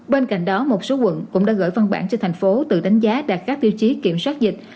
bên cạnh đó một số quận cũng đã gửi văn bản cho thành phố từ đánh giá đạt các tiêu chí kiểm soát dịch